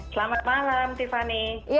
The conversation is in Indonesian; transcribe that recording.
selamat malam tiffany